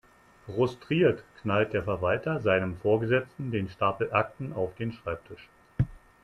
Frustriert knallt der Verwalter seinem Vorgesetzten den Stapel Akten auf den Schreibtisch.